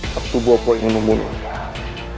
bobo tidak berhasil menemukan arasati